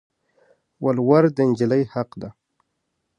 ولوړ د انجلی حق دي